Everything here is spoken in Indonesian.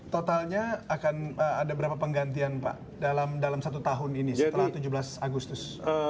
totalnya akan ada berapa penggantian pak dalam satu tahun ini setelah tujuh belas agustus